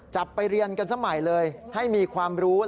จับไปเรียนกันซะใหม่เลยให้มีความรู้